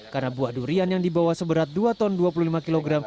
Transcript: karena buah durian yang dibawa seberat dua ton dua puluh lima kg